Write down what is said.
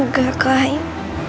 udah ke lain